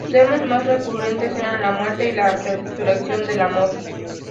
Sus temas más recurrentes eran la muerte y la resurrección del amor.